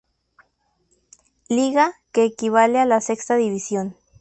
Liga, que equivale a la sexta división.